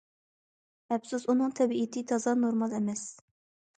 - ئەپسۇس، ئۇنىڭ تەبىئىتى تازا نورمال ئەمەس.